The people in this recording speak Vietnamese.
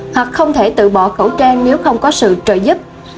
hoặc không thể tự bỏ khẩu trang nếu không có sự trợ giúp